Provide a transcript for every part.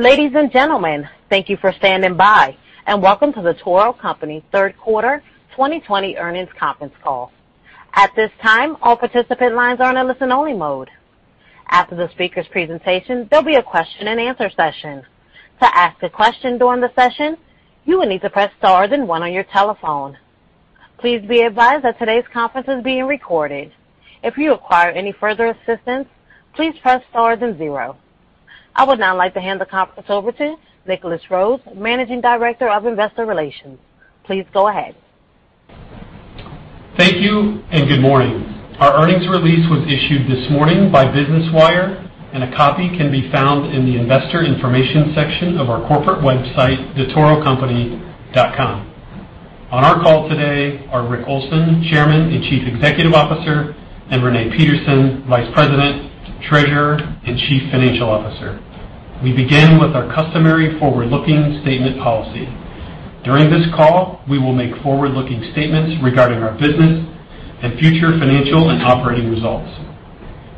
Ladies and gentlemen, thank you for standing by and welcome to The Toro Company third quarter 2020 earnings conference call. I would now like to hand the conference over to Nicholas Rhoads, Managing Director of Investor Relations. Please go ahead. Thank you and good morning. Our earnings release was issued this morning by Business Wire and a copy can be found in the investor information section of our corporate website, thetorocompany.com. On our call today are Richard Olson, Chairman and Chief Executive Officer, and Renee Peterson, Vice President, Treasurer, and Chief Financial Officer. We begin with our customary forward-looking statement policy. During this call, we will make forward-looking statements regarding our business and future financial and operating results.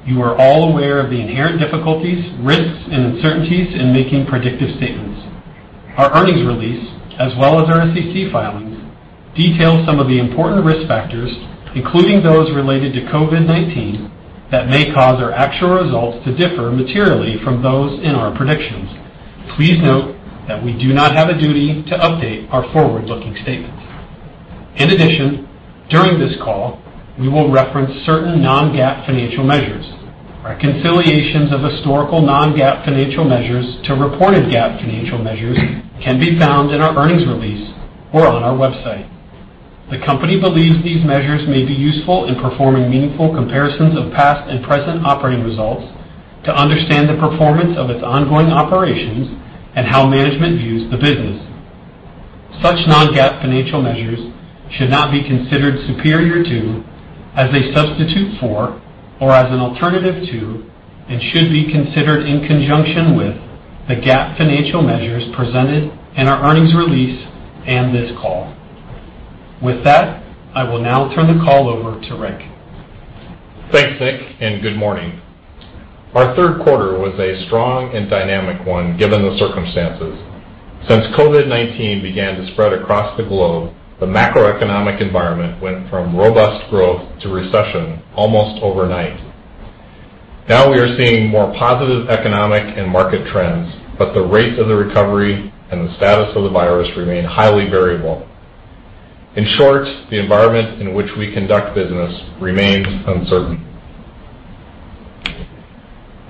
You are all aware of the inherent difficulties, risks, and uncertainties in making predictive statements. Our earnings release, as well as our SEC filings, detail some of the important risk factors, including those related to COVID-19, that may cause our actual results to differ materially from those in our predictions. Please note that we do not have a duty to update our forward-looking statements. In addition, during this call, we will reference certain non-GAAP financial measures. Our reconciliations of historical non-GAAP financial measures to reported GAAP financial measures can be found in our earnings release or on our website. The Company believes these measures may be useful in performing meaningful comparisons of past and present operating results to understand the performance of its ongoing operations and how management views the business. Such non-GAAP financial measures should not be considered superior to, as a substitute for, or as an alternative to, and should be considered in conjunction with, the GAAP financial measures presented in our earnings release and this call. With that, I will now turn the call over to Rick. Thanks, Nick, good morning. Our third quarter was a strong and dynamic one, given the circumstances. Since COVID-19 began to spread across the globe, the macroeconomic environment went from robust growth to recession almost overnight. We are seeing more positive economic and market trends, but the rate of the recovery and the status of the virus remain highly variable. In short, the environment in which we conduct business remains uncertain.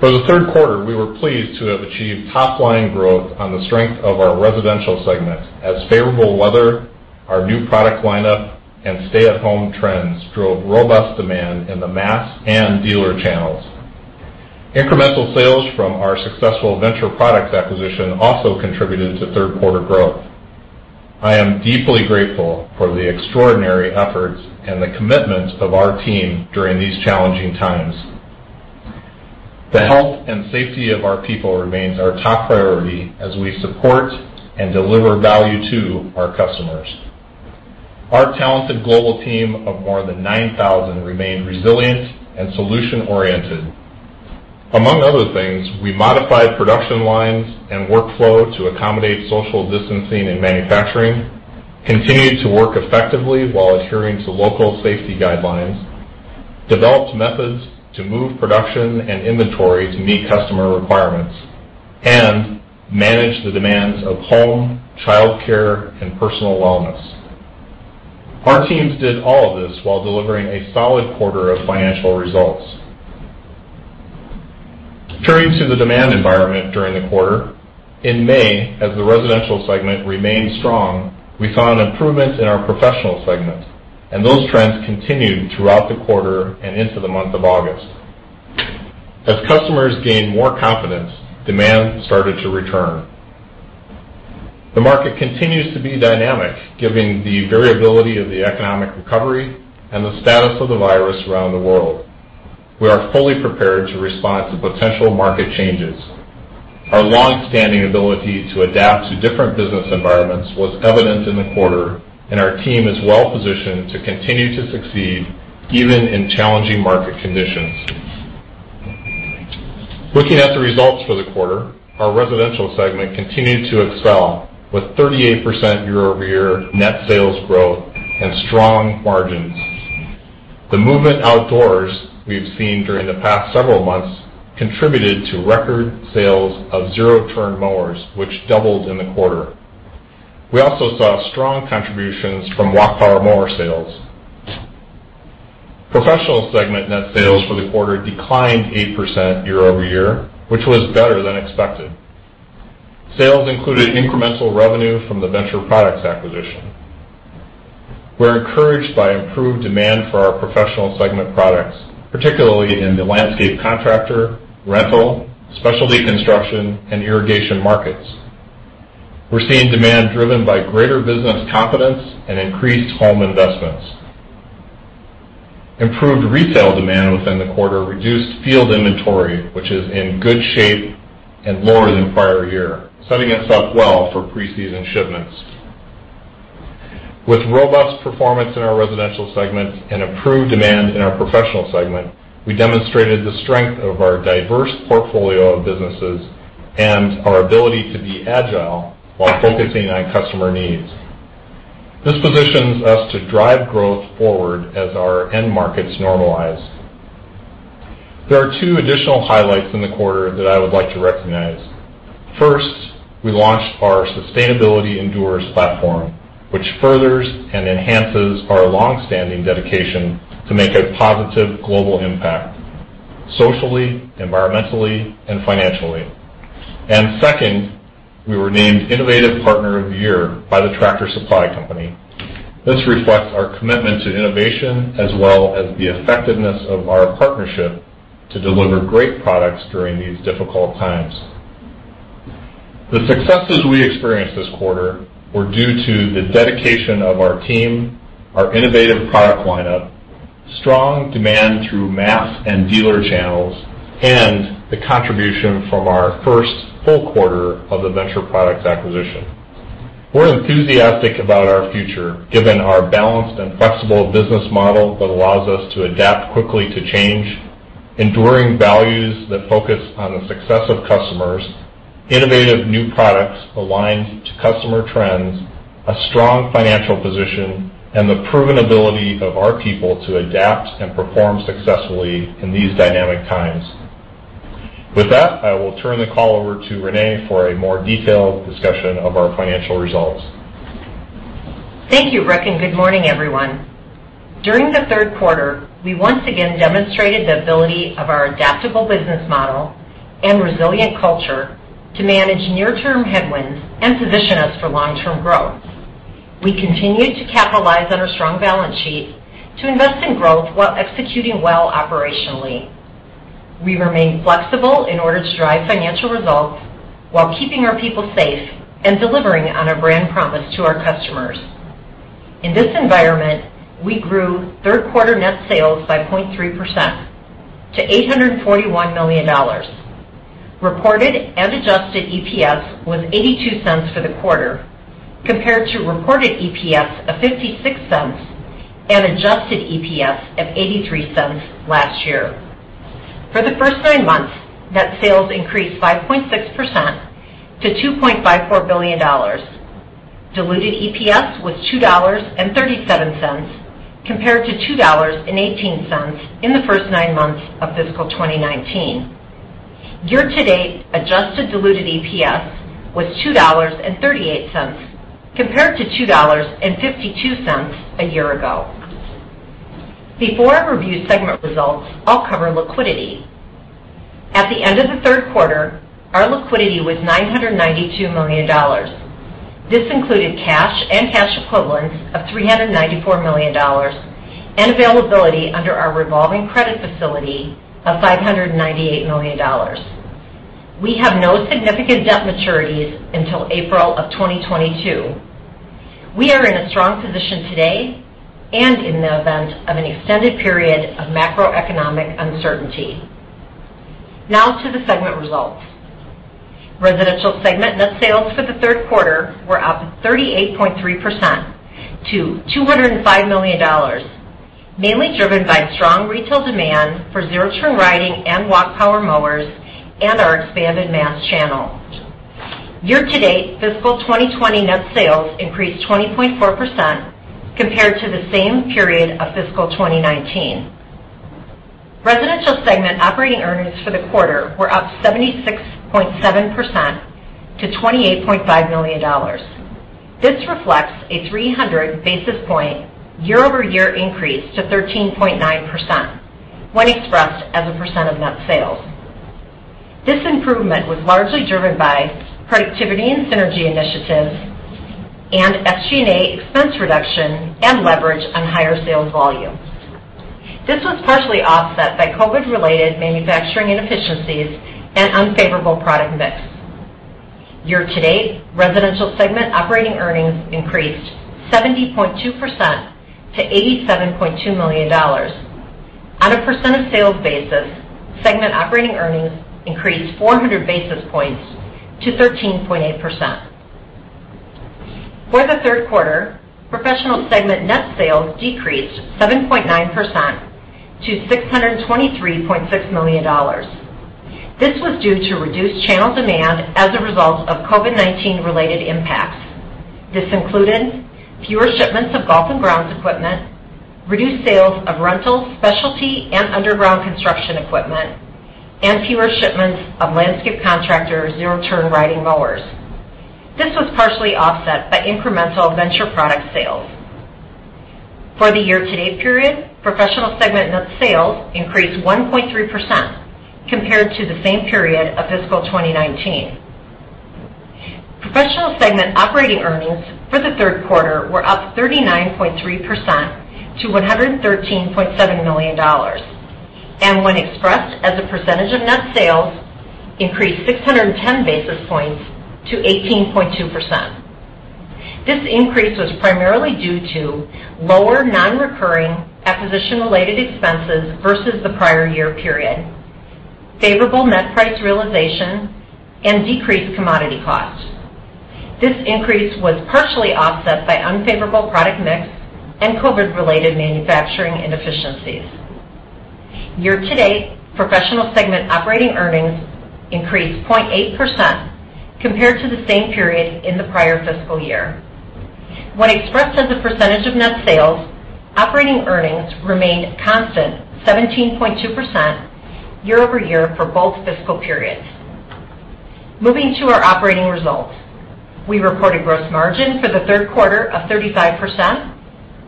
For the third quarter, we were pleased to have achieved top-line growth on the strength of our residential segment as favorable weather, our new product lineup, and stay-at-home trends drove robust demand in the mass and dealer channels. Incremental sales from our successful Venture Products acquisition also contributed to third quarter growth. I am deeply grateful for the extraordinary efforts and the commitment of our team during these challenging times. The health and safety of our people remains our top priority as we support and deliver value to our customers. Our talented global team of more than 9,000 remained resilient and solution-oriented. Among other things, we modified production lines and workflow to accommodate social distancing in manufacturing, continued to work effectively while adhering to local safety guidelines, developed methods to move production and inventory to meet customer requirements, and managed the demands of home, childcare, and personal wellness. Our teams did all of this while delivering a solid quarter of financial results. Turning to the demand environment during the quarter, in May, as the residential segment remained strong, we saw an improvement in our professional segment, and those trends continued throughout the quarter and into the month of August. As customers gained more confidence, demand started to return. The market continues to be dynamic, given the variability of the economic recovery and the status of the virus around the world. We are fully prepared to respond to potential market changes. Our longstanding ability to adapt to different business environments was evident in the quarter, and our team is well positioned to continue to succeed even in challenging market conditions. Looking at the results for the quarter, our Residential segment continued to excel with 38% year-over-year net sales growth and strong margins. The movement outdoors we've seen during the past several months contributed to record sales of zero-turn mowers, which doubled in the quarter. We also saw strong contributions from walk power mower sales. Professional segment net sales for the quarter declined 8% year-over-year, which was better than expected. Sales included incremental revenue from the Venture Products acquisition. We're encouraged by improved demand for our professional segment products, particularly in the landscape contractor, rental, specialty construction, and irrigation markets. We're seeing demand driven by greater business confidence and increased home investments. Improved retail demand within the quarter reduced field inventory, which is in good shape and lower than prior year, setting us up well for pre-season shipments. With robust performance in our residential segment and improved demand in our professional segment, we demonstrated the strength of our diverse portfolio of businesses and our ability to be agile while focusing on customer needs. This positions us to drive growth forward as our end markets normalize. There are two additional highlights in the quarter that I would like to recognize. First, we launched our Sustainability Endures platform, which furthers and enhances our longstanding dedication to make a positive global impact socially, environmentally, and financially. Second, we were named Innovative Partner of the Year by the Tractor Supply Company. This reflects our commitment to innovation as well as the effectiveness of our partnership to deliver great products during these difficult times. The successes we experienced this quarter were due to the dedication of our team, our innovative product lineup, strong demand through mass and dealer channels, and the contribution from our first full quarter of the Venture Products acquisition. We're enthusiastic about our future, given our balanced and flexible business model that allows us to adapt quickly to change, enduring values that focus on the success of customers, innovative new products aligned to customer trends, a strong financial position, and the proven ability of our people to adapt and perform successfully in these dynamic times. With that, I will turn the call over to Renee for a more detailed discussion of our financial results. Thank you, Brooke, and good morning, everyone. During the third quarter, we once again demonstrated the ability of our adaptable business model and resilient culture to manage near-term headwinds and position us for long-term growth. We continued to capitalize on our strong balance sheet to invest in growth while executing well operationally. We remain flexible in order to drive financial results while keeping our people safe and delivering on our brand promise to our customers. In this environment, we grew third-quarter net sales by 0.3% to $841 million. Reported and adjusted EPS was $0.82 for the quarter, compared to reported EPS of $0.56 and adjusted EPS of $0.83 last year. For the first nine months, net sales increased 5.6% to $2.54 billion. Diluted EPS was $2.37 compared to $2.18 in the first nine months of fiscal 2019. Year-to-date adjusted diluted EPS was $2.38 compared to $2.52 a year ago. Before I review segment results, I'll cover liquidity. At the end of the third quarter, our liquidity was $992 million. This included cash and cash equivalents of $394 million and availability under our revolving credit facility of $598 million. We have no significant debt maturities until April of 2022. We are in a strong position today and in the event of an extended period of macroeconomic uncertainty. Now to the segment results. Residential segment net sales for the third quarter were up 38.3% to $205 million, mainly driven by strong retail demand for zero-turn riding and walk power mowers and our expanded mass channel. Year-to-date fiscal 2020 net sales increased 20.4% compared to the same period of fiscal 2019. Residential segment operating earnings for the quarter were up 76.7% to $28.5 million. This reflects a 300 basis point year-over-year increase to 13.9% when expressed as a % of net sales. This improvement was largely driven by productivity and synergy initiatives and SG&A expense reduction and leverage on higher sales volume. This was partially offset by COVID-related manufacturing inefficiencies and unfavorable product mix. Year-to-date, residential segment operating earnings increased 70.2% to $87.2 million. On a % of sales basis, segment operating earnings increased 400 basis points to 13.8%. For the third quarter, professional segment net sales decreased 7.9% to $623.6 million. This was due to reduced channel demand as a result of COVID-19-related impacts. This included fewer shipments of golf and grounds equipment, reduced sales of rental, specialty, and underground construction equipment, and fewer shipments of landscape contractor zero-turn riding mowers. This was partially offset by incremental Venture Product sales. For the year-to-date period, Professional segment net sales increased 1.3% compared to the same period of fiscal 2019. Professional segment operating earnings for the third quarter were up 39.3% to $113.7 million and when expressed as a percentage of net sales, increased 610 basis points to 18.2%. This increase was primarily due to lower non-recurring acquisition-related expenses versus the prior year period, favorable net price realization, and decreased commodity costs. This increase was partially offset by unfavorable product mix and COVID-related manufacturing inefficiencies. Year-to-date Professional segment operating earnings increased 0.8% compared to the same period in the prior fiscal year. When expressed as a percentage of net sales, operating earnings remained constant, 17.2%, year-over-year for both fiscal periods. Moving to our operating results. We reported gross margin for the third quarter of 35%,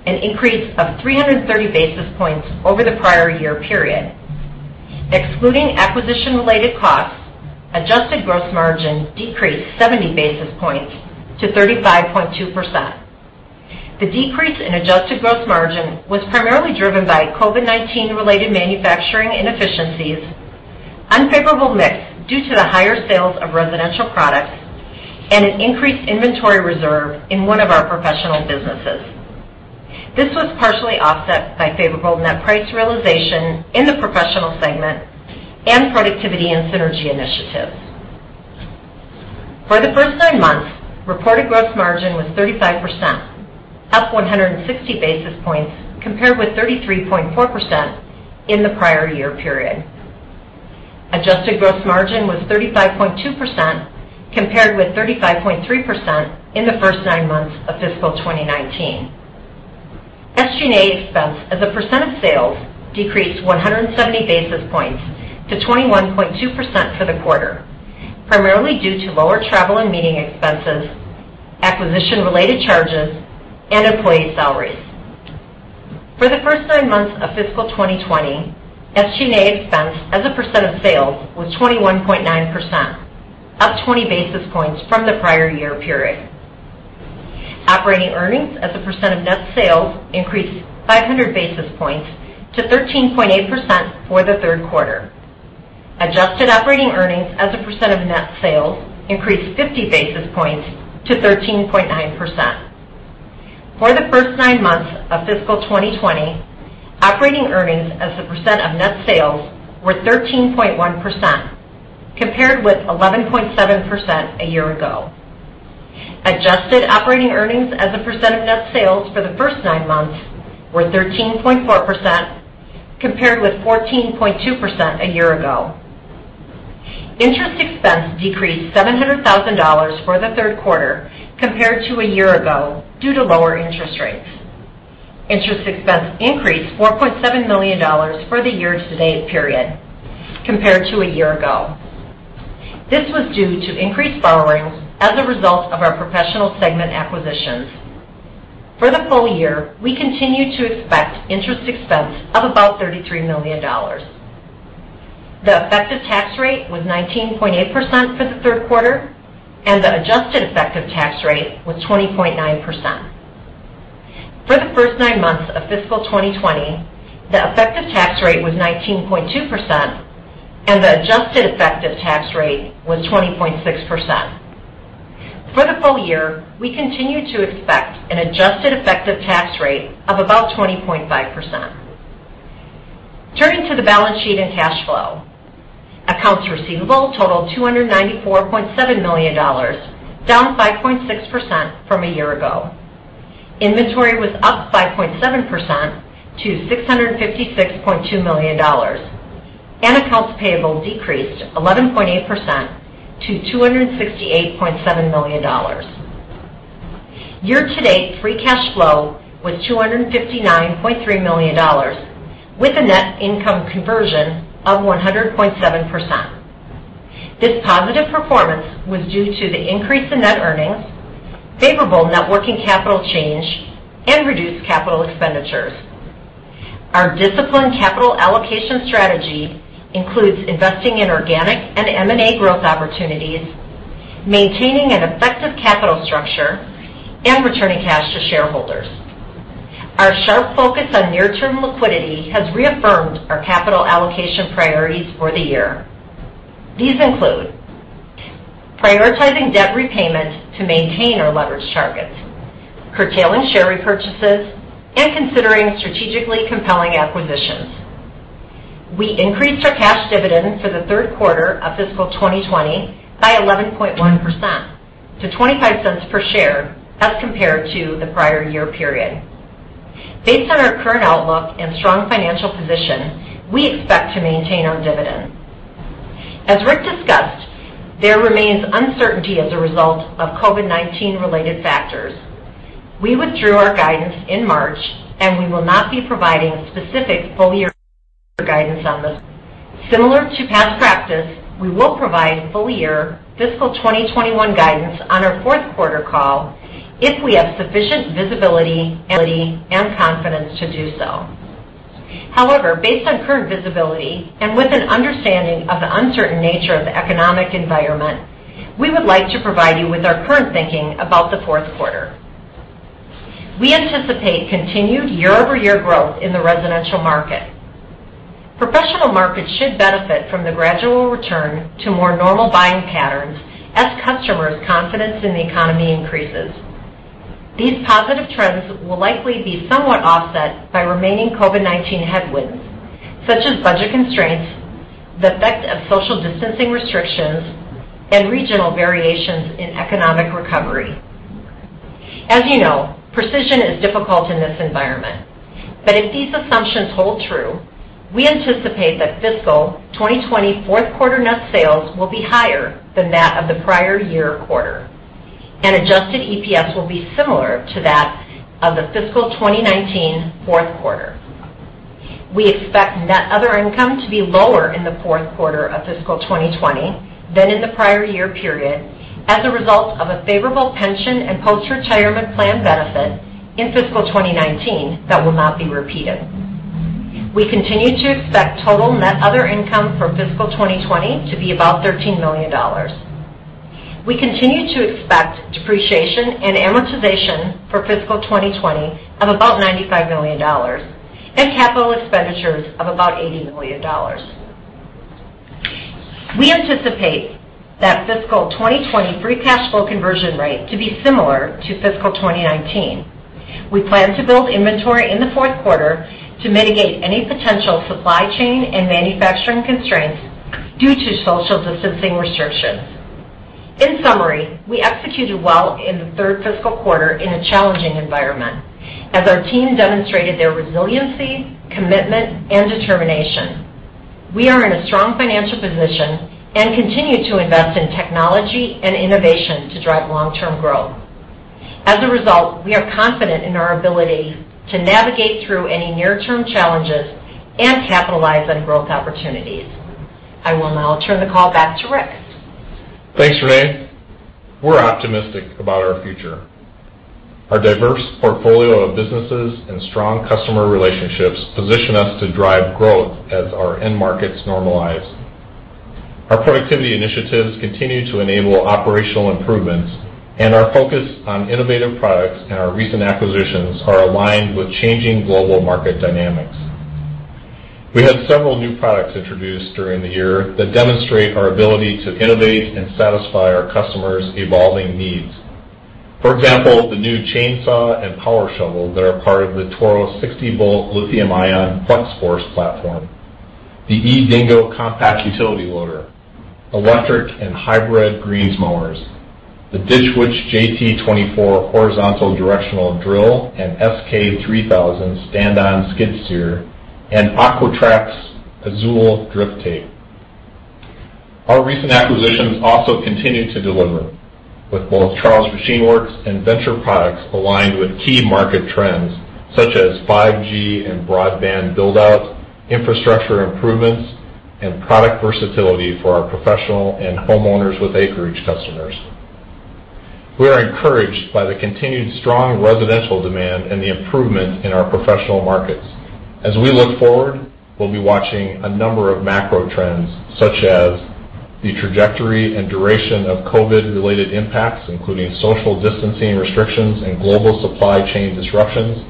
an increase of 330 basis points over the prior year period. Excluding acquisition-related costs, adjusted gross margin decreased 70 basis points to 35.2%. The decrease in adjusted gross margin was primarily driven by COVID-19-related manufacturing inefficiencies, unfavorable mix due to the higher sales of residential products, and an increased inventory reserve in one of our Professional businesses. This was partially offset by favorable net price realization in the Professional segment and productivity and synergy initiatives. For the first nine months, reported gross margin was 35%, up 160 basis points compared with 33.4% in the prior year period. Adjusted gross margin was 35.2% compared with 35.3% in the first nine months of fiscal 2019. SG&A expense as a percent of sales decreased 170 basis points to 21.2% for the quarter, primarily due to lower travel and meeting expenses, acquisition-related charges, and employee salaries. For the first nine months of fiscal 2020, SG&A expense as a percent of sales was 21.9%, up 20 basis points from the prior year period. Operating earnings as a percent of net sales increased 500 basis points to 13.8% for the third quarter. Adjusted operating earnings as a percent of net sales increased 50 basis points to 13.9%. For the first nine months of fiscal 2020, operating earnings as a percent of net sales were 13.1%, compared with 11.7% a year ago. Adjusted operating earnings as a percent of net sales for the first nine months were 13.4%, compared with 14.2% a year ago. Interest expense decreased $700,000 for the third quarter compared to a year ago due to lower interest rates. Interest expense increased $4.7 million for the year-to-date period compared to a year ago. This was due to increased borrowing as a result of our Professional segment acquisitions. For the full year, we continue to expect interest expense of about $33 million. The effective tax rate was 19.8% for the third quarter, and the adjusted effective tax rate was 20.9%. For the first nine months of fiscal 2020, the effective tax rate was 19.2%, and the adjusted effective tax rate was 20.6%. For the full year, we continue to expect an adjusted effective tax rate of about 20.5%. Turning to the balance sheet and cash flow. Accounts receivable totaled $294.7 million, down 5.6% from a year ago. Inventory was up 5.7% to $656.2 million, and accounts payable decreased 11.8% to $268.7 million. Year-to-date free cash flow was $259.3 million with a net income conversion of 100.7%. This positive performance was due to the increase in net earnings, favorable net working capital change, and reduced capital expenditures. Our disciplined capital allocation strategy includes investing in organic and M&A growth opportunities, maintaining an effective capital structure, and returning cash to shareholders. Our sharp focus on near-term liquidity has reaffirmed our capital allocation priorities for the year. These include prioritizing debt repayment to maintain our leverage targets, curtailing share repurchases, and considering strategically compelling acquisitions. We increased our cash dividend for the third quarter of fiscal 2020 by 11.1% to $0.25 per share as compared to the prior year period. Based on our current outlook and strong financial position, we expect to maintain our dividend. As Rick discussed, there remains uncertainty as a result of COVID-19-related factors. We withdrew our guidance in March. We will not be providing specific full-year guidance on this. Similar to past practice, we will provide full-year fiscal 2021 guidance on our fourth quarter call if we have sufficient visibility and confidence to do so. However, based on current visibility and with an understanding of the uncertain nature of the economic environment, we would like to provide you with our current thinking about the fourth quarter. We anticipate continued year-over-year growth in the residential market. Professional markets should benefit from the gradual return to more normal buying patterns as customers' confidence in the economy increases. These positive trends will likely be somewhat offset by remaining COVID-19 headwinds, such as budget constraints, the effect of social distancing restrictions, and regional variations in economic recovery. As you know, precision is difficult in this environment. If these assumptions hold true, we anticipate that fiscal 2020 fourth quarter net sales will be higher than that of the prior year quarter, and adjusted EPS will be similar to that of the fiscal 2019 fourth quarter. We expect net other income to be lower in the fourth quarter of fiscal 2020 than in the prior year period as a result of a favorable pension and post-retirement plan benefit in fiscal 2019 that will not be repeated. We continue to expect total net other income for fiscal 2020 to be about $13 million. We continue to expect depreciation and amortization for fiscal 2020 of about $95 million and capital expenditures of about $80 million. We anticipate that fiscal 2020 free cash flow conversion rate to be similar to fiscal 2019. We plan to build inventory in the fourth quarter to mitigate any potential supply chain and manufacturing constraints due to social distancing restrictions. In summary, we executed well in the third fiscal quarter in a challenging environment as our team demonstrated their resiliency, commitment, and determination. We are in a strong financial position and continue to invest in technology and innovation to drive long-term growth. As a result, we are confident in our ability to navigate through any near-term challenges and capitalize on growth opportunities. I will now turn the call back to Rick. Thanks, Renee. We're optimistic about our future. Our diverse portfolio of businesses and strong customer relationships position us to drive growth as our end markets normalize. Our productivity initiatives continue to enable operational improvements. Our focus on innovative products and our recent acquisitions are aligned with changing global market dynamics. We had several new products introduced during the year that demonstrate our ability to innovate and satisfy our customers' evolving needs. For example, the new chainsaw and power shovel that are part of the Toro 60-Volt Lithium-Ion Flex-Force platform, the eDingo compact utility loader, electric and hybrid greens mowers, the Ditch Witch JT24 horizontal directional drill, and SK3000 stand-on skid steer, and Aqua-Traxx Azul drip tape. Our recent acquisitions also continue to deliver, with both Charles Machine Works and Venture Products aligned with key market trends such as 5G and broadband build-outs, infrastructure improvements, and product versatility for our professional and homeowners with acreage customers. We are encouraged by the continued strong residential demand and the improvement in our professional markets. As we look forward, we'll be watching a number of macro trends, such as the trajectory and duration of COVID-related impacts, including social distancing restrictions and global supply chain disruptions,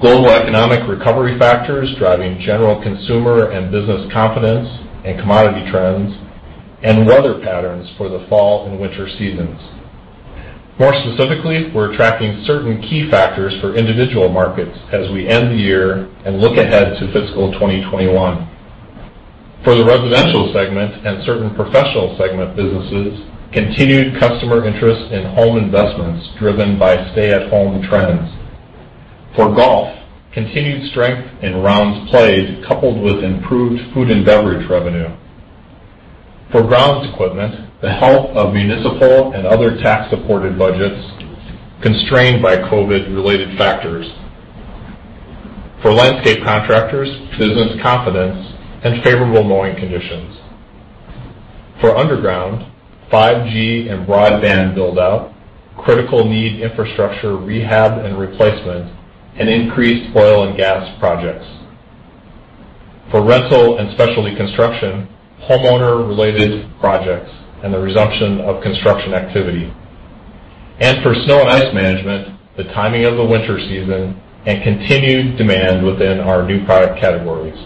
global economic recovery factors driving general consumer and business confidence and commodity trends, and weather patterns for the fall and winter seasons. More specifically, we're tracking certain key factors for individual markets as we end the year and look ahead to fiscal 2021. For the residential segment and certain professional segment businesses, continued customer interest in home investments driven by stay-at-home trends. For golf, continued strength in rounds played, coupled with improved food and beverage revenue. For grounds equipment, the health of municipal and other tax-supported budgets constrained by COVID-related factors. For landscape contractors, business confidence and favorable mowing conditions. For underground, 5G and broadband build-out, critical need infrastructure rehab and replacement, and increased oil and gas projects. For rental and specialty construction, homeowner-related projects and the resumption of construction activity. For snow and ice management, the timing of the winter season and continued demand within our new product categories.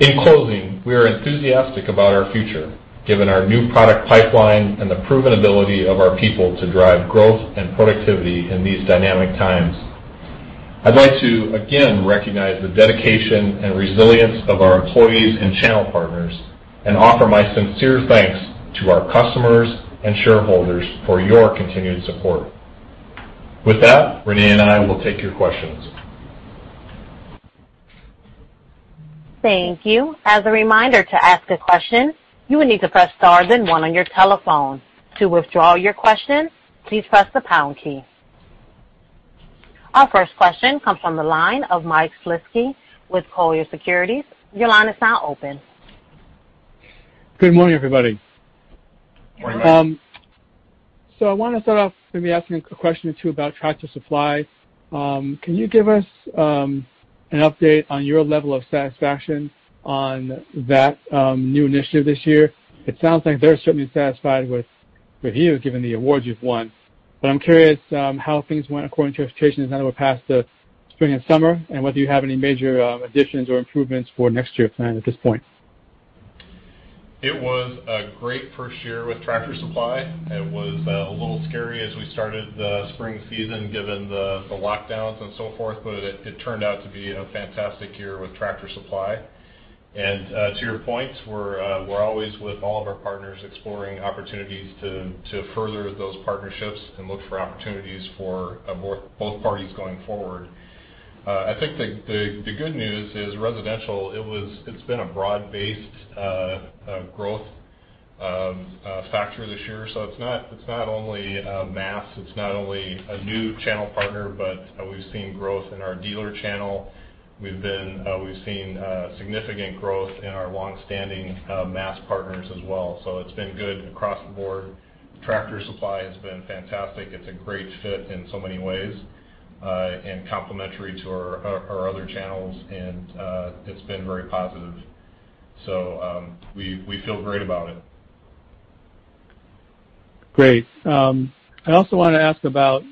In closing, we are enthusiastic about our future, given our new product pipeline and the proven ability of our people to drive growth and productivity in these dynamic times. I'd like to, again, recognize the dedication and resilience of our employees and channel partners and offer my sincere thanks to our customers and shareholders for your continued support. With that, Renee and I will take your questions. Thank you. As a reminder, to ask a question, you will need to press star then one on your telephone. To withdraw your question, please press the pound key. Our first question comes from the line of Michael Shlisky with Colliers Securities. Your line is now open. Good morning, everybody. Morning, Mike. I want to start off maybe asking a question or two about Tractor Supply. Can you give us an update on your level of satisfaction on that new initiative this year? It sounds like they're certainly satisfied with you, given the awards you've won. I'm curious how things went according to expectations now that we're past the spring and summer, and whether you have any major additions or improvements for next year planned at this point? It was a great first year with Tractor Supply. It was a little scary as we started the spring season given the lockdowns and so forth, but it turned out to be a fantastic year with Tractor Supply. To your point, we're always, with all of our partners, exploring opportunities to further those partnerships and look for opportunities for both parties going forward. I think the good news is residential, it's been a broad-based growth factor this year. It's not only mass, it's not only a new channel partner, but we've seen growth in our dealer channel. We've seen significant growth in our longstanding mass partners as well. It's been good across the board. Tractor Supply has been fantastic. It's a great fit in so many ways and complementary to our other channels, and it's been very positive. We feel great about it. Great. I also want to ask about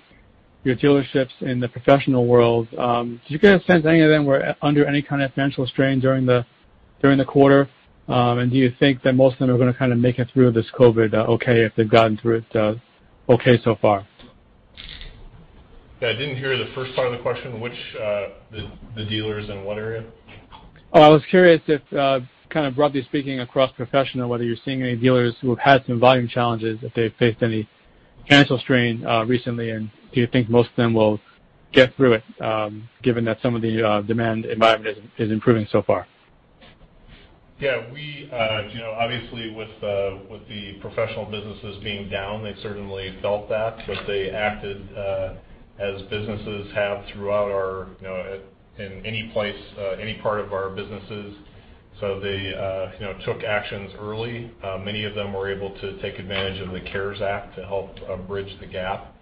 your dealerships in the professional world. Did you get a sense any of them were under any kind of financial strain during the quarter? Do you think that most of them are going to make it through this COVID okay if they've gotten through it okay so far? Yeah, I didn't hear the first part of the question. The dealers in what area? I was curious if, kind of broadly speaking across professional, whether you're seeing any dealers who have had some volume challenges, if they've faced any financial strain recently, and do you think most of them will get through it, given that some of the demand environment is improving so far? Yeah. Obviously, with the professional businesses being down, they certainly felt that. They acted as businesses have throughout in any place, any part of our businesses. They took actions early. Many of them were able to take advantage of the CARES Act to help bridge the gap.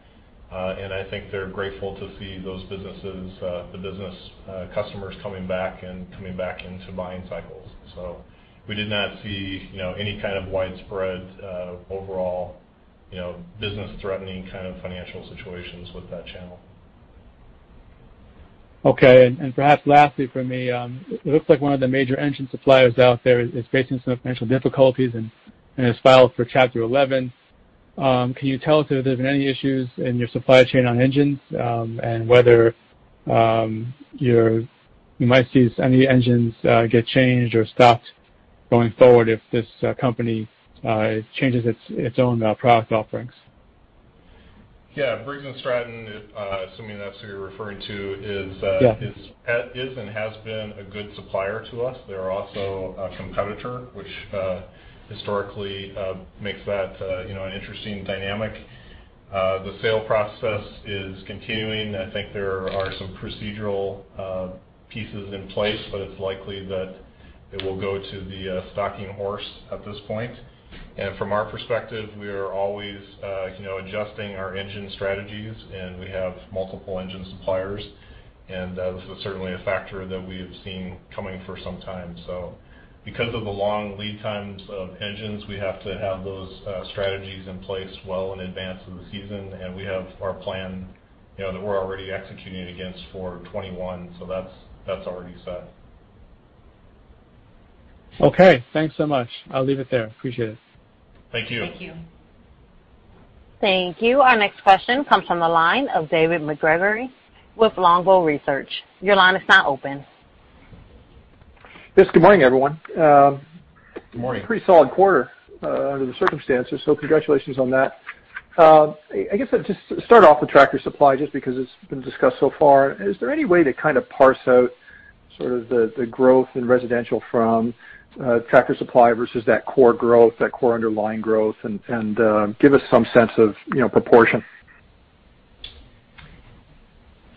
I think they're grateful to see those businesses, the business customers coming back and coming back into buying cycles. We did not see any kind of widespread, overall, business-threatening kind of financial situations with that channel. Okay. Perhaps lastly from me, it looks like one of the major engine suppliers out there is facing some financial difficulties and has filed for Chapter 11. Can you tell us if there's been any issues in your supply chain on engines? Whether you might see any engines get changed or stopped going forward if this company changes its own product offerings? Yeah. Briggs & Stratton, assuming that's who you're referring to is- Yeah is and has been a good supplier to us. They're also a competitor, which historically makes that an interesting dynamic. The sale process is continuing. I think there are some procedural pieces in place, but it's likely that it will go to the stalking horse at this point. From our perspective, we are always adjusting our engine strategies, and we have multiple engine suppliers. This was certainly a factor that we have seen coming for some time. Because of the long lead times of engines, we have to have those strategies in place well in advance of the season, and we have our plan that we're already executing against for F2021. That's already set. Okay. Thanks so much. I'll leave it there. Appreciate it. Thank you. Thank you. Thank you. Our next question comes from the line of David MacGregor with Longbow Research. Your line is now open. Yes. Good morning, everyone. Good morning. Pretty solid quarter under the circumstances, so congratulations on that. I guess I'll just start off with Tractor Supply, just because it's been discussed so far. Is there any way to kind of parse out sort of the growth in residential from Tractor Supply versus that core underlying growth, and give us some sense of proportion?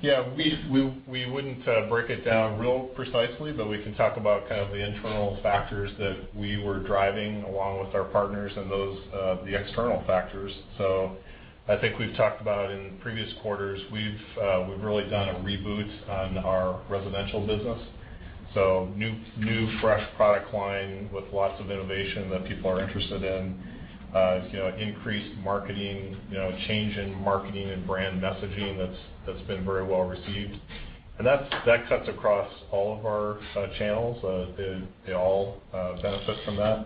We wouldn't break it down real precisely, but we can talk about kind of the internal factors that we were driving along with our partners and those, the external factors. I think we've talked about in previous quarters, we've really done a reboot on our residential business. new, fresh product line with lots of innovation that people are interested in. Increased marketing, change in marketing and brand messaging that's been very well received. That cuts across all of our channels. They all benefit from that.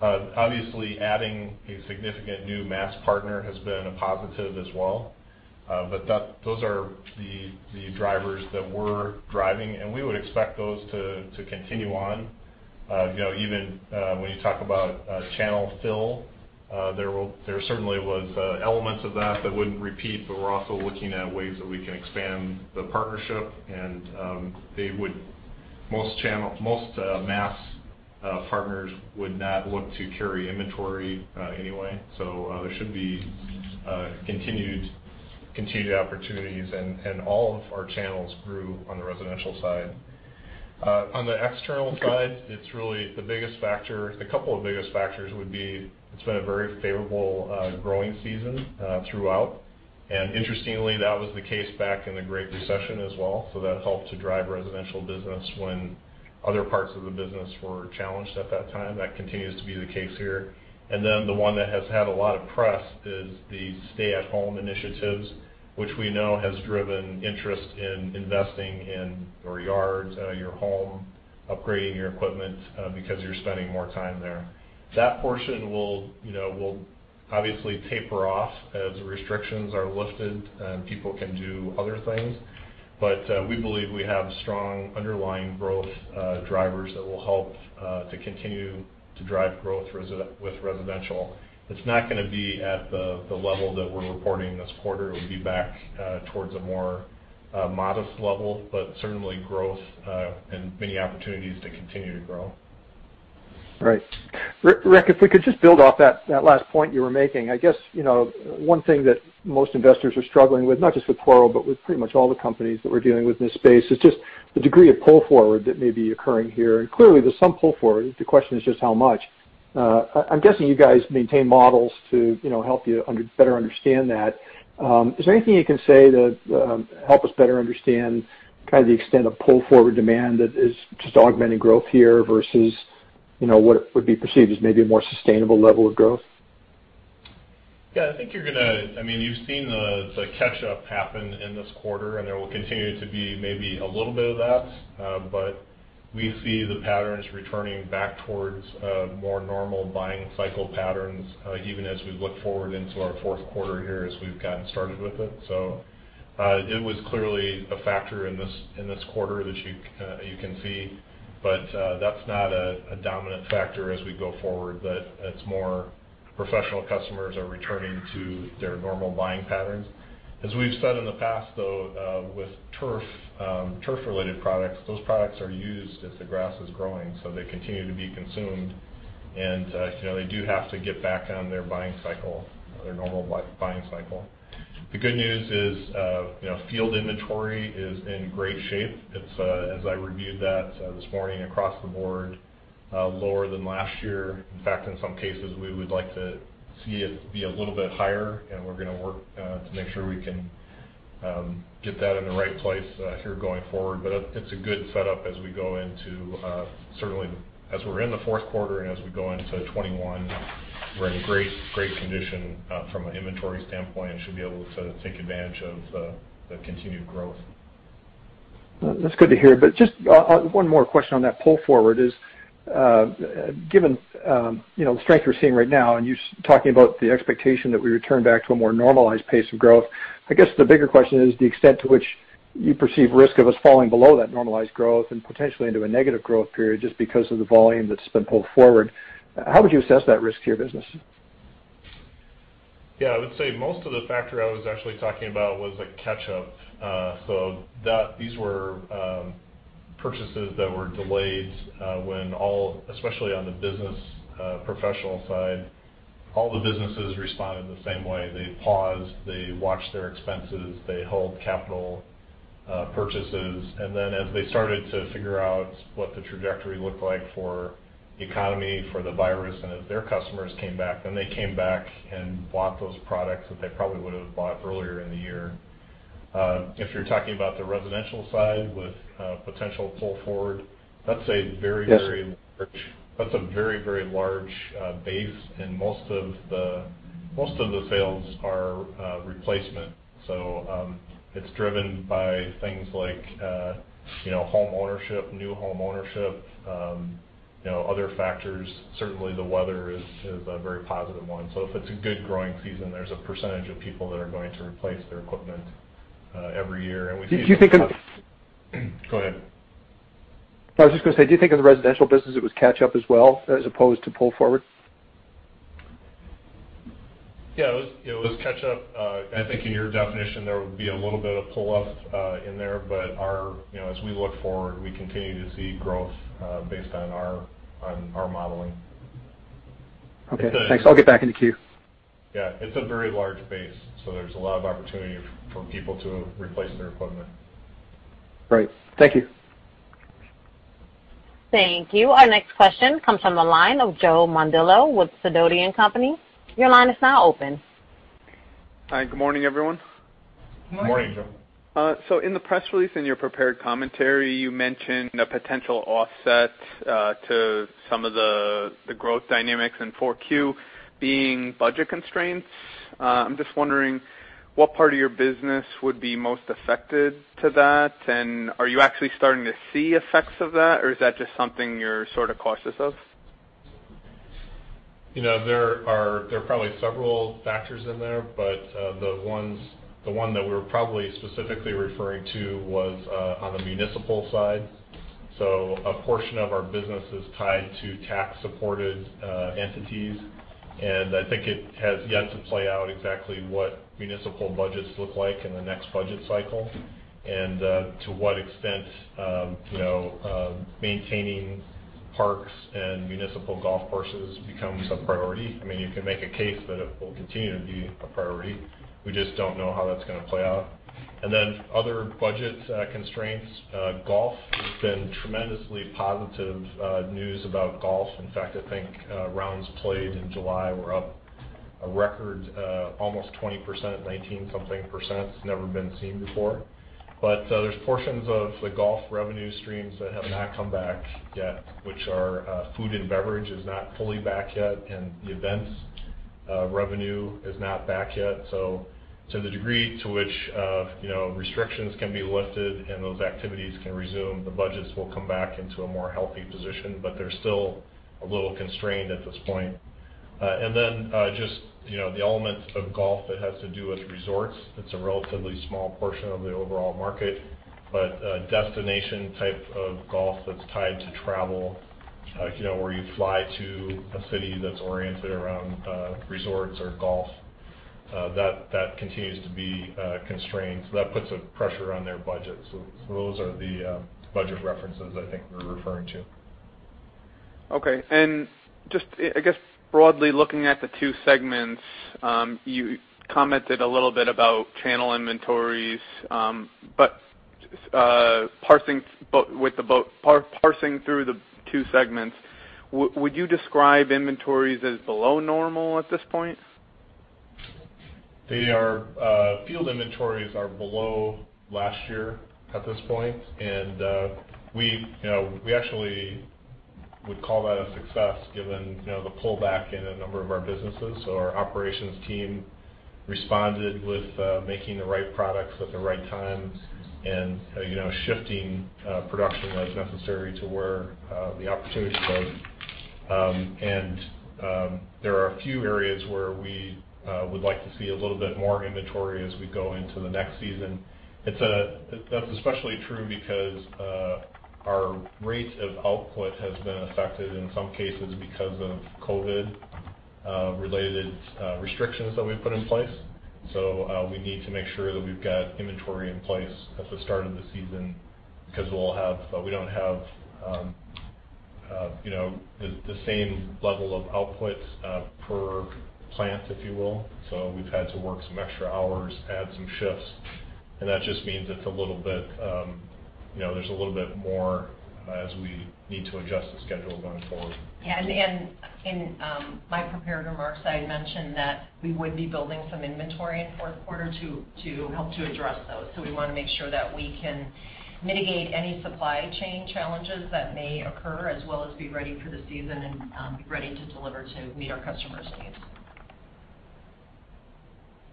Obviously, adding a significant new mass partner has been a positive as well. Those are the drivers that we're driving, and we would expect those to continue on. Even when you talk about channel fill, there certainly was elements of that that wouldn't repeat, but we're also looking at ways that we can expand the partnership and most mass partners would not look to carry inventory anyway. There should be continued opportunities, and all of our channels grew on the residential side. On the external side, it's really the couple of biggest factors would be it's been a very favorable growing season throughout. Interestingly, that was the case back in the Great Recession as well, so that helped to drive residential business when other parts of the business were challenged at that time. That continues to be the case here. The one that has had a lot of press is the stay-at-home initiatives, which we know has driven interest in investing in your yard, your home. Upgrading your equipment because you're spending more time there. That portion will obviously taper off as restrictions are lifted and people can do other things. We believe we have strong underlying growth drivers that will help to continue to drive growth with residential. It's not going to be at the level that we're reporting this quarter. It'll be back towards a more modest level, but certainly growth and many opportunities to continue to grow. Right. Rick, if we could just build off that last point you were making. I guess, one thing that most investors are struggling with, not just with The Toro Company, but with pretty much all the companies that we're dealing with in this space, is just the degree of pull forward that may be occurring here. Clearly, there's some pull forward. The question is just how much. I'm guessing you guys maintain models to help you better understand that. Is there anything you can say that help us better understand the extent of pull-forward demand that is just augmenting growth here versus what would be perceived as maybe a more sustainable level of growth? Yeah. You've seen the catch-up happen in this quarter, and there will continue to be maybe a little bit of that. We see the patterns returning back towards more normal buying cycle patterns, even as we look forward into our fourth quarter here as we've gotten started with it. It was clearly a factor in this quarter that you can see, but that's not a dominant factor as we go forward, that it's more professional customers are returning to their normal buying patterns. As we've said in the past, though, with turf-related products, those products are used as the grass is growing, so they continue to be consumed, and they do have to get back on their normal buying cycle. The good news is field inventory is in great shape. As I reviewed that this morning across the board, lower than last year. In fact, in some cases, we would like to see it be a little bit higher, and we're going to work to make sure we can get that in the right place here going forward. It's a good setup as we're in the fourth quarter, and as we go into 2021, we're in great condition from an inventory standpoint and should be able to take advantage of the continued growth. That's good to hear. Just one more question on that pull forward is, given the strength we're seeing right now and you talking about the expectation that we return back to a more normalized pace of growth, I guess the bigger question is the extent to which you perceive risk of us falling below that normalized growth and potentially into a negative growth period just because of the volume that's been pulled forward. How would you assess that risk to your business? I would say most of the factor I was actually talking about was a catch-up. These were purchases that were delayed, especially on the business professional side. All the businesses responded the same way. They paused. They watched their expenses. They held capital purchases. As they started to figure out what the trajectory looked like for the economy, for the virus, and as their customers came back, then they came back and bought those products that they probably would've bought earlier in the year. If you're talking about the residential side with potential pull forward, that's a very- Yes very large base and most of the sales are replacement. It's driven by things like home ownership, new home ownership, other factors. Certainly, the weather is a very positive one. If it's a good growing season, there's a percentage of people that are going to replace their equipment every year. Do you think- Go ahead. I was just going to say, do you think in the residential business, it was catch-up as well, as opposed to pull forward? It was catch-up. I think in your definition, there would be a little bit of pull up in there, but as we look forward, we continue to see growth based on our modeling. Okay. Thanks. I'll get back into queue. Yeah. It's a very large base, so there's a lot of opportunity for people to replace their equipment. Great. Thank you. Thank you. Our next question comes from the line of Joseph Mondillo with Sidoti & Company. Hi. Good morning, everyone. Morning. Morning, Joe. In the press release, in your prepared commentary, you mentioned a potential offset to some of the growth dynamics in 4Q being budget constraints. I'm just wondering what part of your business would be most affected to that, and are you actually starting to see effects of that, or is that just something you're sort of cautious of? There are probably several factors in there, but the one that we're probably specifically referring to was on the municipal side. A portion of our business is tied to tax-supported entities, and I think it has yet to play out exactly what municipal budgets look like in the next budget cycle and to what extent maintaining parks and municipal golf courses becomes a priority. You can make a case that it will continue to be a priority. We just don't know how that's going to play out. Other budget constraints, golf. There's been tremendously positive news about golf. In fact, I think rounds played in July were up a record, almost 20%, 19 something%. It's never been seen before. There's portions of the golf revenue streams that have not come back yet, which are food and beverage is not fully back yet and the events revenue is not back yet. To the degree to which restrictions can be lifted and those activities can resume, the budgets will come back into a more healthy position, but they're still a little constrained at this point. Just the element of golf that has to do with resorts. It's a relatively small portion of the overall market, but destination type of golf that's tied to travel, where you fly to a city that's oriented around resorts or golf, that continues to be constrained. That puts a pressure on their budget. Those are the budget references I think we're referring to. Okay. Just, I guess broadly looking at the two segments, you commented a little bit about channel inventories, but parsing through the two segments, would you describe inventories as below normal at this point? Field inventories are below last year at this point, and we actually would call that a success given the pullback in a number of our businesses. Our operations team responded with making the right products at the right time and shifting production as necessary to where the opportunity goes. There are a few areas where we would like to see a little bit more inventory as we go into the next season. That's especially true because our rates of output has been affected in some cases because of COVID-19 related restrictions that we've put in place. We need to make sure that we've got inventory in place at the start of the season because we don't have the same level of output per plant, if you will. We've had to work some extra hours, add some shifts, and that just means there's a little bit more as we need to adjust the schedule going forward. Yeah, in my prepared remarks, I had mentioned that we would be building some inventory in fourth quarter to help to address those. We want to make sure that we can mitigate any supply chain challenges that may occur as well as be ready for the season and be ready to deliver to meet our customers' needs.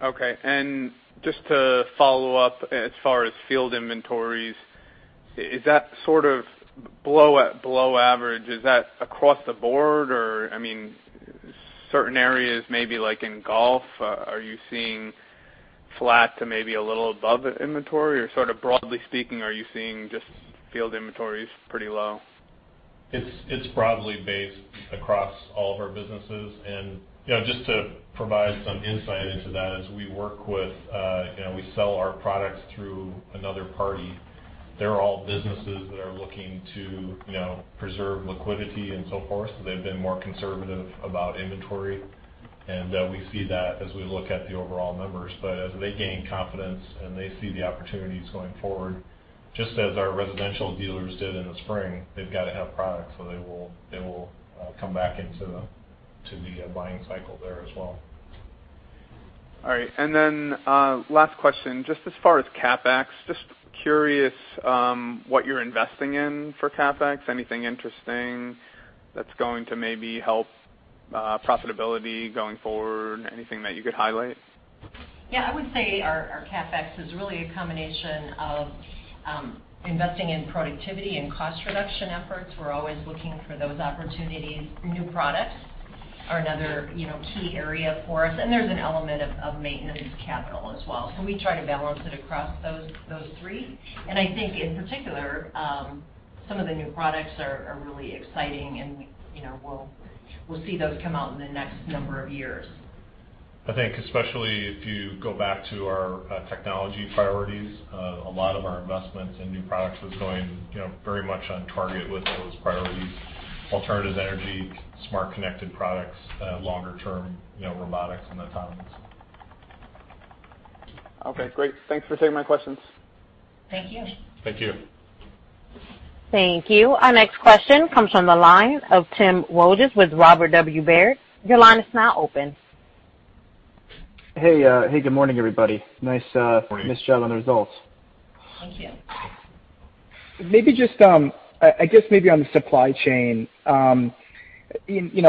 Okay, just to follow up, as far as field inventories, is that sort of below average? Is that across the board, or certain areas maybe like in golf, are you seeing flat to maybe a little above inventory or sort of broadly speaking, are you seeing just field inventories pretty low? It's broadly based across all of our businesses. Just to provide some insight into that, we sell our products through another party. They're all businesses that are looking to preserve liquidity and so forth, so they've been more conservative about inventory, and we see that as we look at the overall numbers. As they gain confidence and they see the opportunities going forward, just as our residential dealers did in the spring, they've got to have product, so they will come back into the buying cycle there as well. All right. Last question, just as far as CapEx, just curious what you're investing in for CapEx. Anything interesting that's going to maybe help profitability going forward? Anything that you could highlight? Yeah, I would say our CapEx is really a combination of investing in productivity and cost reduction efforts. We're always looking for those opportunities. New products are another key area for us, and there's an element of maintenance capital as well. We try to balance it across those three. I think in particular, some of the new products are really exciting and we'll see those come out in the next number of years. I think especially if you go back to our technology priorities, a lot of our investments in new products was going very much on target with those priorities, alternative energy, smart connected products, longer term, robotics and autonomous. Okay, great. Thanks for taking my questions. Thank you. Thank you. Thank you. Our next question comes from the line of Tim Wojs with Robert W. Baird. Your line is now open. Hey, good morning, everybody. Nice job on the results. Thank you. I guess maybe on the supply chain,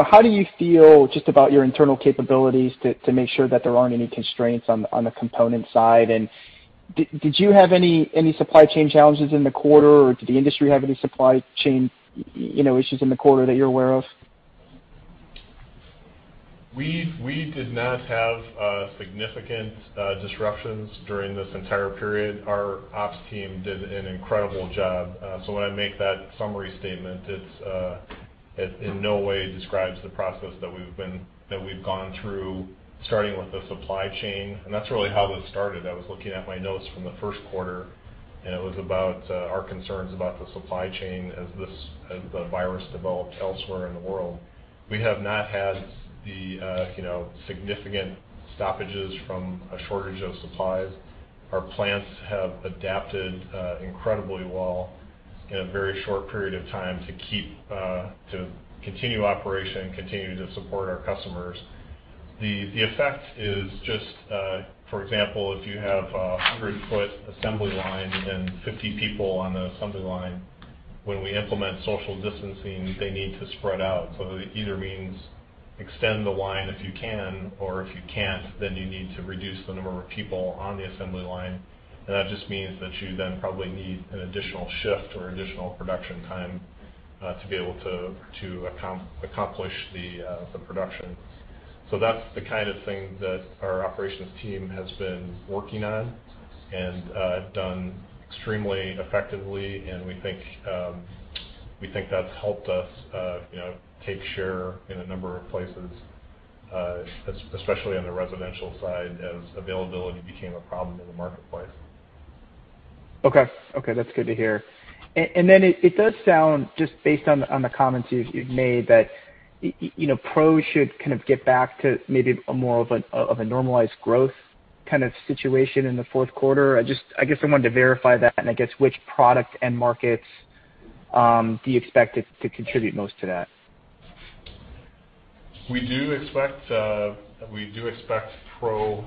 how do you feel just about your internal capabilities to make sure that there aren't any constraints on the component side? Did you have any supply chain challenges in the quarter, or did the industry have any supply chain issues in the quarter that you're aware of? We did not have significant disruptions during this entire period. Our ops team did an incredible job. When I make that summary statement, it in no way describes the process that we've gone through, starting with the supply chain. That's really how this started. I was looking at my notes from the first quarter, and it was about our concerns about the supply chain as the virus developed elsewhere in the world. We have not had the significant stoppages from a shortage of supplies. Our plants have adapted incredibly well in a very short period of time to continue operation and continue to support our customers. The effect is just, for example, if you have a 100-foot assembly line and 50 people on the assembly line. When we implement social distancing, they need to spread out. That either means extend the line if you can, or if you can't, then you need to reduce the number of people on the assembly line. That just means that you then probably need an additional shift or additional production time to be able to accomplish the production. That's the kind of thing that our operations team has been working on and done extremely effectively. We think that's helped us take share in a number of places, especially on the residential side, as availability became a problem in the marketplace. Okay. That's good to hear. It does sound, just based on the comments you've made, that pro should kind of get back to maybe a more of a normalized growth kind of situation in the fourth quarter. I guess I wanted to verify that. I guess which products and markets do you expect it to contribute most to that? We do expect pro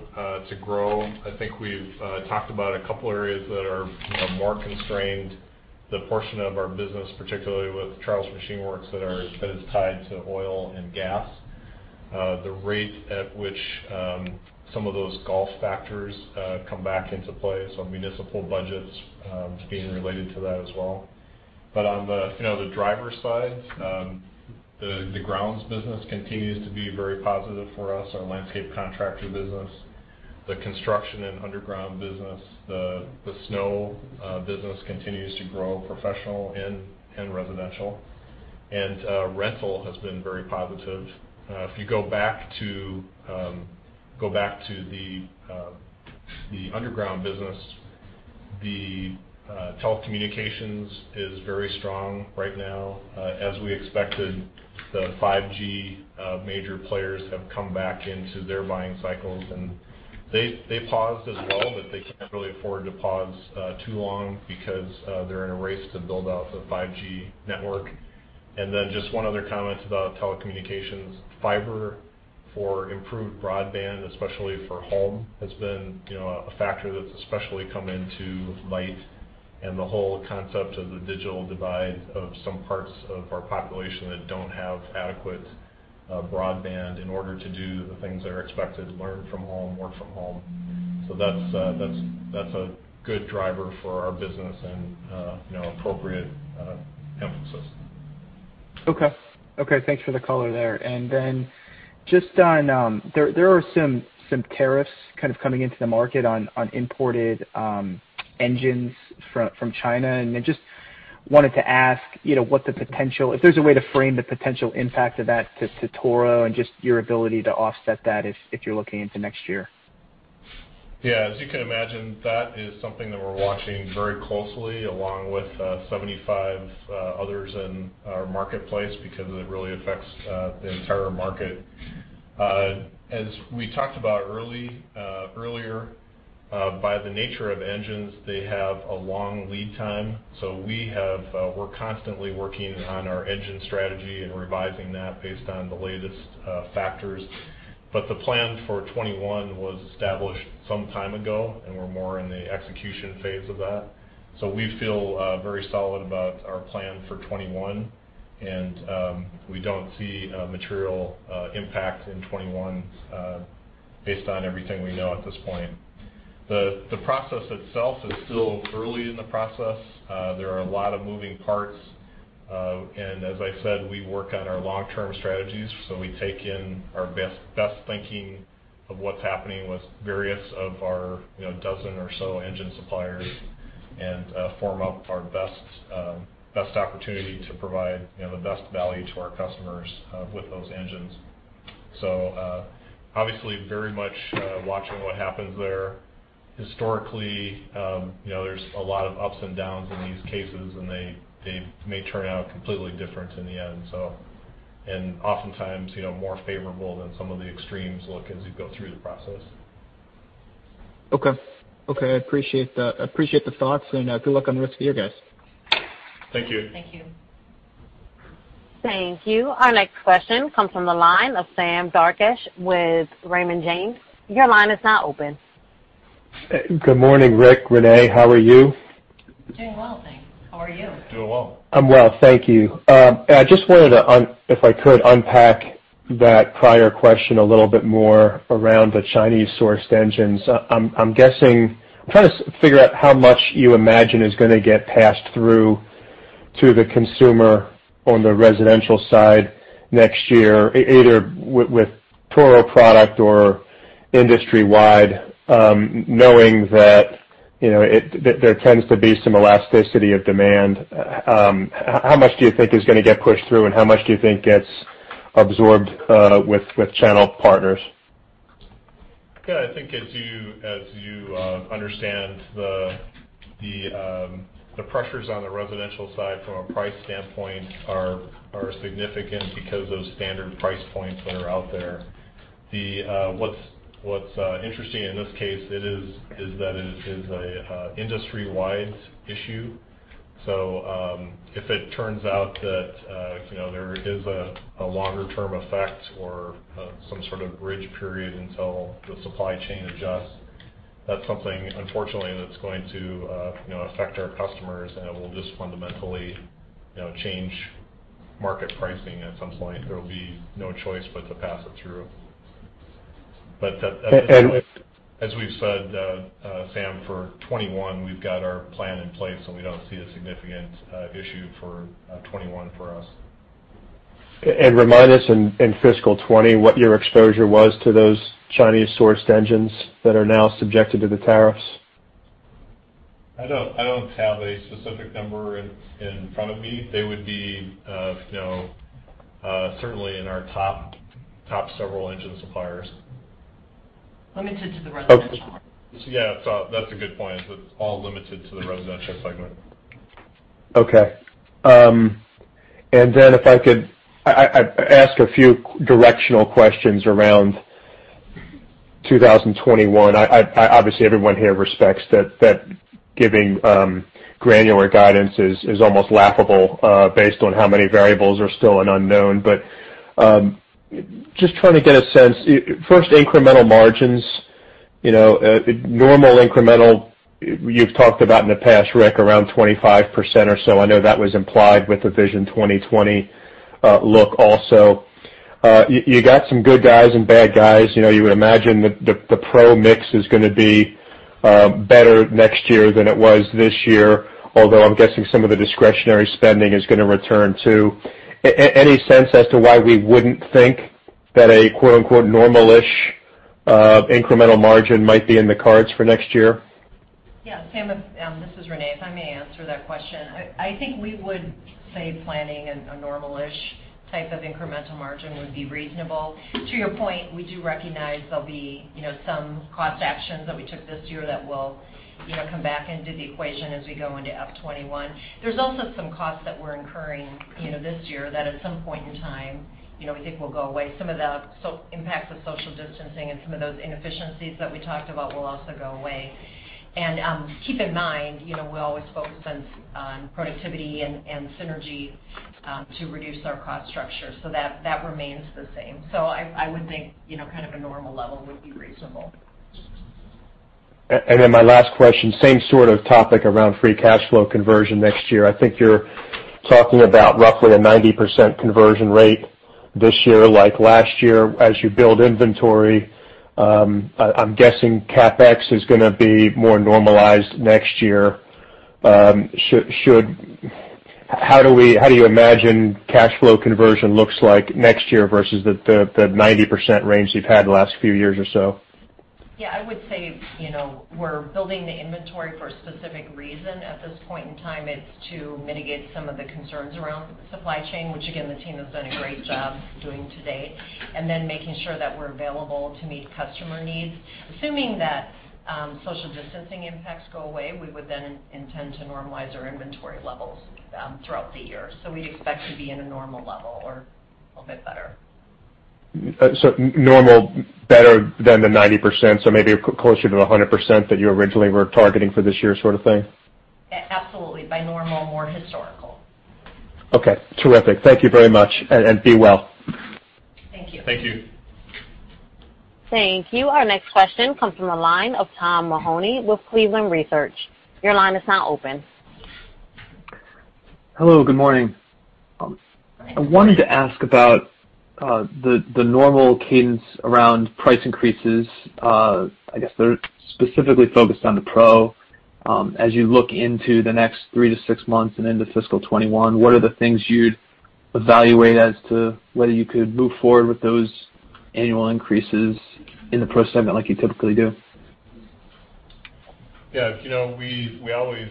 to grow. I think we've talked about a couple areas that are more constrained. The portion of our business, particularly with The Charles Machine Works, that is tied to oil and gas. The rate at which some of those golf factors come back into play. Municipal budgets being related to that as well. On the driver side, the grounds business continues to be very positive for us, our landscape contractor business. The construction and underground business. The snow business continues to grow, professional and residential. Rental has been very positive. If you go back to the underground business, the telecommunications is very strong right now. As we expected, the 5G major players have come back into their buying cycles, and they paused as well, but they can't really afford to pause too long because they're in a race to build out the 5G network. Just one other comment about telecommunications. Fiber for improved broadband, especially for home, has been a factor that's especially come into light. The whole concept of the digital divide of some parts of our population that don't have adequate broadband in order to do the things that are expected, learn from home, work from home. That's a good driver for our business and appropriate emphasis. Okay. Thanks for the color there. Just on, there are some tariffs coming into the market on imported engines from China. I just wanted to ask, if there's a way to frame the potential impact of that to Toro and just your ability to offset that if you're looking into next year. Yeah. As you can imagine, that is something that we're watching very closely along with 75 others in our marketplace because it really affects the entire market. As we talked about earlier, by the nature of engines, they have a long lead time. We're constantly working on our engine strategy and revising that based on the latest factors. The plan for 2021 was established some time ago, and we're more in the execution phase of that. We feel very solid about our plan for 2021. We don't see a material impact in 2021 based on everything we know at this point. The process itself is still early in the process. There are a lot of moving parts. As I said, we work on our long-term strategies. We take in our best thinking of what's happening with various of our dozen or so engine suppliers and form up our best opportunity to provide the best value to our customers with those engines. Obviously very much watching what happens there. Historically, there's a lot of ups and downs in these cases and they may turn out completely different in the end. Oftentimes more favorable than some of the extremes look as you go through the process. Okay. I appreciate that. I appreciate the thoughts, and good luck on the rest of your guys. Thank you. Thank you. Thank you. Our next question comes from the line of Sam Darkatsh with Raymond James. Good morning, Rick, Renee. How are you? Doing well, thanks. How are you? Doing well. I'm well. Thank you. I just wanted to, if I could, unpack that prior question a little bit more around the Chinese-sourced engines. I'm trying to figure out how much you imagine is gonna get passed through to the consumer on the residential side next year, either with Toro product or industry-wide, knowing that there tends to be some elasticity of demand. How much do you think is gonna get pushed through, and how much do you think gets absorbed with channel partners? Yeah. I think as you understand the pressures on the residential side from a price standpoint are significant because of those standard price points that are out there. What's interesting in this case, it is that it is an industry-wide issue. If it turns out that there is a longer-term effect or some sort of bridge period until the supply chain adjusts. That's something, unfortunately, that's going to affect our customers, and it will just fundamentally change market pricing at some point. There will be no choice but to pass it through. At this point, as we've said, Sam, for 2021, we've got our plan in place, so we don't see a significant issue for 2021 for us. Remind us in fiscal 2020 what your exposure was to those Chinese-sourced engines that are now subjected to the tariffs. I don't have a specific number in front of me. They would be certainly in our top several engine suppliers. Limited to the residential. Yeah. That's a good point. It's all limited to the residential segment. Okay. If I could ask a few directional questions around 2021. Obviously, everyone here respects that giving granular guidance is almost laughable based on how many variables are still an unknown. Just trying to get a sense, first, incremental margins. Normal incremental, you've talked about in the past, Rick, around 25% or so. I know that was implied with the Vision 2020 look also. You got some good guys and bad guys. You would imagine the pro mix is going to be better next year than it was this year, although I'm guessing some of the discretionary spending is going to return, too. Any sense as to why we wouldn't think that a quote unquote "normal-ish" incremental margin might be in the cards for next year? Yeah, Sam, this is Renee. If I may answer that question. I think we would say planning a normal-ish type of incremental margin would be reasonable. To your point, we do recognize there'll be some cost actions that we took this year that will come back into the equation as we go into F 2021. There's also some costs that we're incurring this year that at some point in time, we think will go away. Some of the impacts of social distancing and some of those inefficiencies that we talked about will also go away. Keep in mind, we always focus on productivity and synergy to reduce our cost structure. That remains the same. I would think kind of a normal level would be reasonable. My last question, same sort of topic around free cash flow conversion next year. I think you're talking about roughly a 90% conversion rate this year like last year as you build inventory. I'm guessing CapEx is going to be more normalized next year. How do you imagine cash flow conversion looks like next year versus the 90% range you've had the last few years or so? I would say, we're building the inventory for a specific reason. At this point in time, it's to mitigate some of the concerns around supply chain, which again, the team has done a great job doing to date, and then making sure that we're available to meet customer needs. Assuming that social distancing impacts go away, we would then intend to normalize our inventory levels throughout the year. We expect to be in a normal level or a bit better. Normal, better than the 90%, so maybe closer to the 100% that you originally were targeting for this year sort of thing? Absolutely. By normal, more historical. Okay. Terrific. Thank you very much, and be well. Thank you. Thank you. Thank you. Our next question comes from the line of Tom Mahoney with Cleveland Research. Your line is now open. Hello, good morning. I wanted to ask about the normal cadence around price increases. I guess they're specifically focused on the pro. As you look into the next three to six months and into fiscal 2021, what are the things you'd evaluate as to whether you could move forward with those annual increases in the pro segment like you typically do? Yeah. We always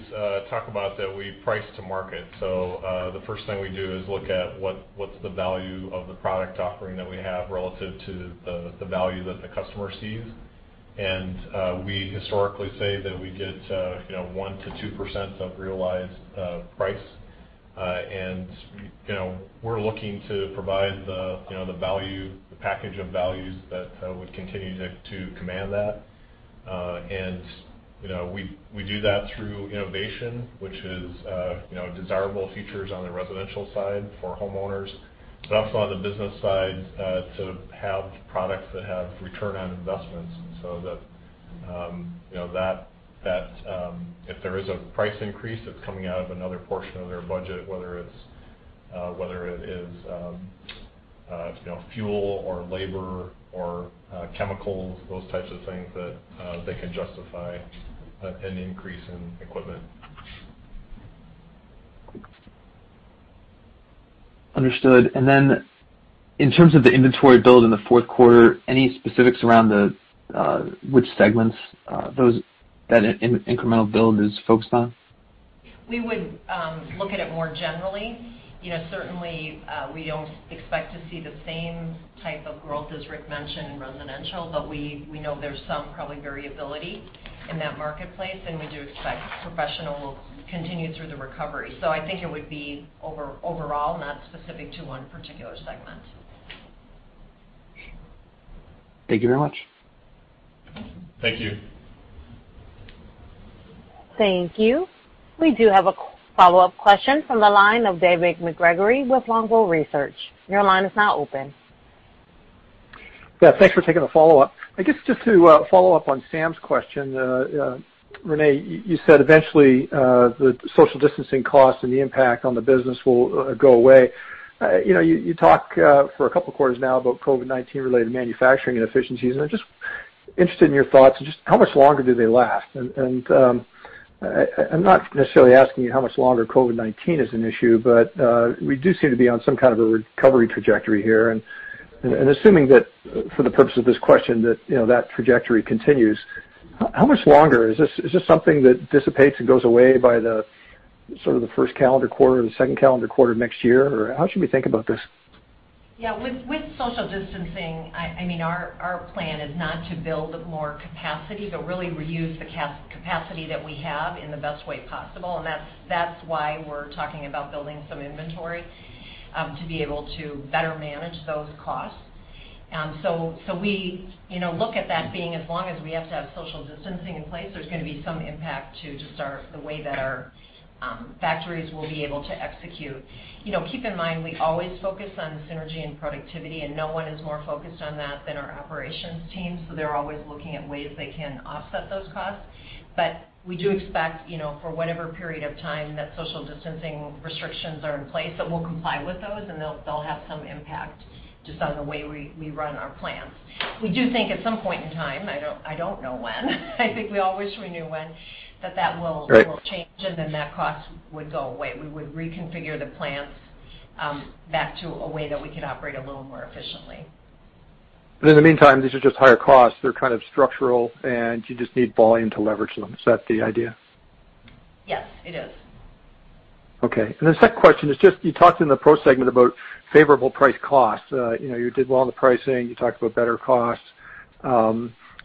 talk about that we price to market. The first thing we do is look at what's the value of the product offering that we have relative to the value that the customer sees. We historically say that we get 1%-2% of realized price. We're looking to provide the package of values that would continue to command that. We do that through innovation, which is desirable features on the residential side for homeowners, but also on the business side to have products that have return on investments so that if there is a price increase, it's coming out of another portion of their budget, whether it is fuel or labor or chemicals, those types of things that they can justify an increase in equipment. Understood. Then in terms of the inventory build in the fourth quarter, any specifics around which segments that incremental build is focused on? We would look at it more generally. Certainly, we don't expect to see the same type of growth as Rick mentioned in residential, but we know there's some probably variability in that marketplace, and we do expect professional will continue through the recovery. I think it would be overall, not specific to one particular segment. Thank you very much. Thank you. Thank you. We do have a follow-up question from the line of David MacGregor with Longbow Research. Your line is now open. Yeah, thanks for taking the follow-up. I guess just to follow up on Sam's question, Renee, you said eventually the social distancing costs and the impact on the business will go away. You talk for a couple of quarters now about COVID-19 related manufacturing inefficiencies. I'm just interested in your thoughts, just how much longer do they last? I'm not necessarily asking you how much longer COVID-19 is an issue, but we do seem to be on some kind of a recovery trajectory here, assuming that for the purpose of this question, that trajectory continues, how much longer? Is this something that dissipates and goes away by the first calendar quarter or the second calendar quarter next year? How should we think about this? Yeah. With social distancing, our plan is not to build more capacity, but really reuse the capacity that we have in the best way possible. That's why we're talking about building some inventory, to be able to better manage those costs. We look at that being, as long as we have to have social distancing in place, there's going to be some impact to just the way that our factories will be able to execute. Keep in mind, we always focus on synergy and productivity, and no one is more focused on that than our operations team, so they're always looking at ways they can offset those costs. We do expect, for whatever period of time that social distancing restrictions are in place, that we'll comply with those, and they'll have some impact just on the way we run our plants. We do think at some point in time, I don't know when, I think we all wish we knew when. Right will change, and then that cost would go away. We would reconfigure the plants back to a way that we could operate a little more efficiently. In the meantime, these are just higher costs. They're kind of structural, and you just need volume to leverage them. Is that the idea? Yes, it is. Okay. The second question is just, you talked in the pro segment about favorable price costs. You did well on the pricing, you talked about better costs.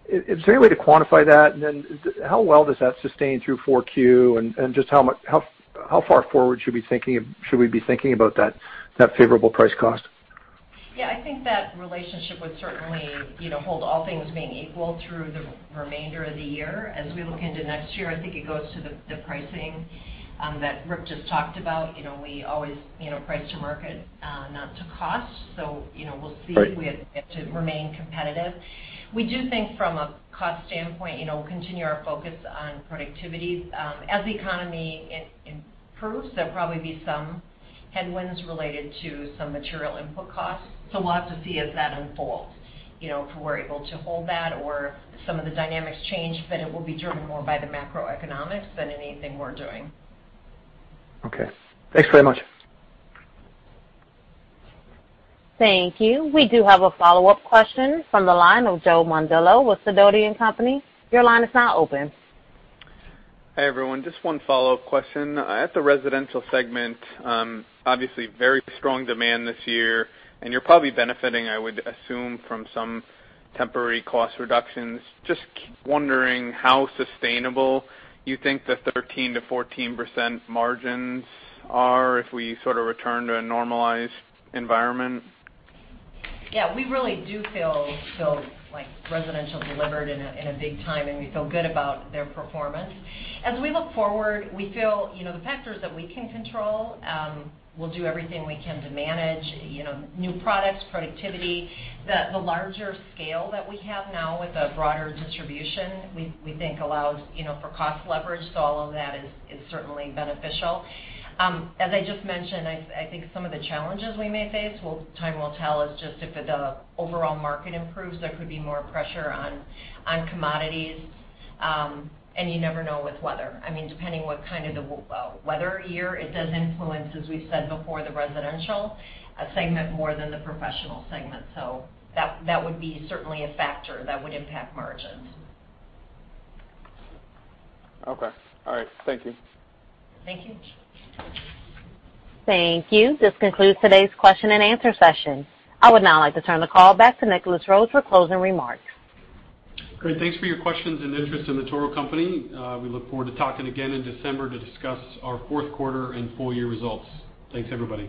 Is there any way to quantify that? Then how well does that sustain through 4Q, and just how far forward should we be thinking about that favorable price cost? Yeah, I think that relationship would certainly hold all things being equal through the remainder of the year. As we look into next year, I think it goes to the pricing that Rick just talked about. We always price to market, not to cost. We'll see. Right. We have yet to remain competitive. We do think from a cost standpoint, we'll continue our focus on productivity. As the economy improves, there'll probably be some headwinds related to some material input costs. We'll have to see as that unfolds, if we're able to hold that or some of the dynamics change, but it will be driven more by the macroeconomics than anything we're doing. Okay. Thanks very much. Thank you. We do have a follow-up question from the line of Joe Mondillo with Sidoti & Company. Your line is now open. Hi, everyone. Just one follow-up question. At the residential segment, obviously very strong demand this year, and you're probably benefiting, I would assume, from some temporary cost reductions. Just wondering how sustainable you think the 13%-14% margins are if we sort of return to a normalized environment. Yeah, we really do feel like residential delivered in a big time, and we feel good about their performance. As we look forward, we feel the factors that we can control, we'll do everything we can to manage, new products, productivity. The larger scale that we have now with a broader distribution, we think allows for cost leverage. All of that is certainly beneficial. As I just mentioned, I think some of the challenges we may face, time will tell, is just if the overall market improves, there could be more pressure on commodities. You never know with weather. Depending what kind of the weather year, it does influence, as we've said before, the residential segment more than the professional segment. That would be certainly a factor that would impact margins. Okay. All right. Thank you. Thank you. Thank you. This concludes today's question and answer session. I would now like to turn the call back to Nicholas Rhoads for closing remarks. Great. Thanks for your questions and interest in The Toro Company. We look forward to talking again in December to discuss our fourth quarter and full year results. Thanks, everybody.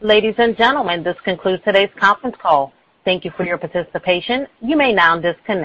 Ladies and gentlemen, this concludes today's conference call. Thank you for your participation. You may now disconnect.